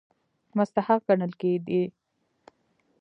مستحق ګڼل کېدی.